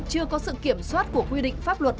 chưa có sự kiểm soát của quy định pháp luật